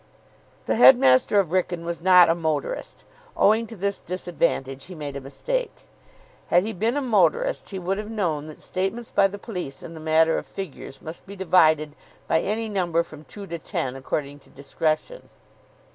The headmaster of Wrykyn was not a motorist. Owing to this disadvantage he made a mistake. Had he been a motorist, he would have known that statements by the police in the matter of figures must be divided by any number from two to ten, according to discretion.